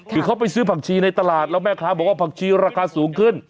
คือเขาไปซื้อผักชีในตลาดแล้วแม่ค้าบอกว่าผักชีราคาสูงขึ้น